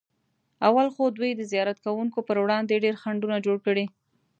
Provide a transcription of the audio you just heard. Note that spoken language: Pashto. اول خو دوی د زیارت کوونکو پر وړاندې ډېر خنډونه جوړ کړي.